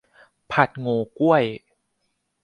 ผัดโหงวก้วย